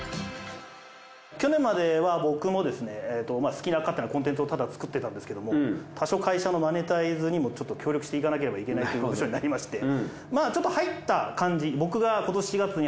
去年までは僕もですね好きな勝手なコンテンツをただ作ってたんですけども多少会社のマネタイズにもちょっと協力していかなければいけないという部署になりましてちょっと入った感じ。